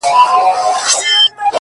• چي تر منځ به مو طلاوي وای وېشلي ,